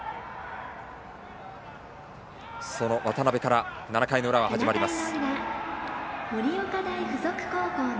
その渡邊から７回の裏が始まります。